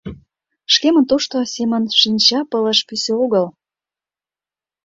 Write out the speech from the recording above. Шкемын тошто семын шинча-пылыш пӱсӧ огыл.